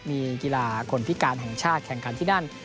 มีกีฬาคนภิการแข่งกันที่ดั้น